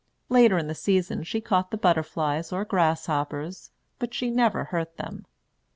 Later in the season she caught the butterflies or grasshoppers, but she never hurt them.